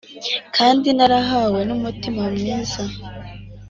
kandi narahawe n’umutima mwiza;